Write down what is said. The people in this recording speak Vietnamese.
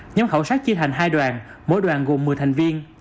nhóm khảo sát chia thành hai đoàn mỗi đoàn gồm một mươi thành viên